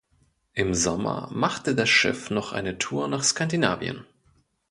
Im Sommer machte das Schiff noch eine Tour nach Skandinavien.